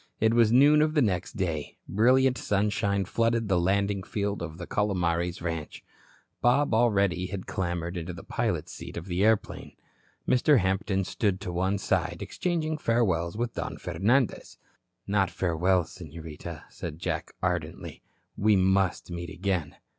It was noon of the next day. Brilliant sunshine flooded the landing field of the Calomares ranch. Bob already had clambered into the pilot's seat of the airplane. Mr. Hampton stood to one side, exchanging farewells with Don Fernandez. "Not farewell, Senorita," said Jack, ardently. "We must meet again."